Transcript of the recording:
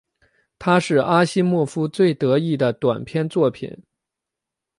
它是阿西莫夫最得意的短篇作品。